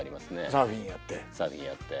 サーフィンやって？